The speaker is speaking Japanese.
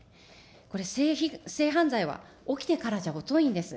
これ、性犯罪は起きてからじゃ遅いんです。